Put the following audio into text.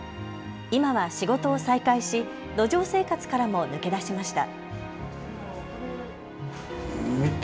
今は仕事を再開し路上生活からも抜け出しました。